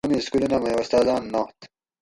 امی سکولونہ مئی استازاۤن نات